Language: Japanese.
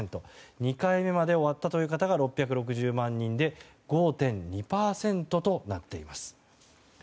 ２回目まで終わった方は６６０万人で５．２％となっています。